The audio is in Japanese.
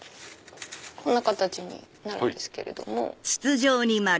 こんな形になるんですけれども。